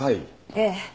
ええ。